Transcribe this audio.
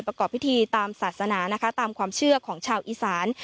ประกอบพิธีตามศาสนานะคะตามความเชื่อของชาวอีสาน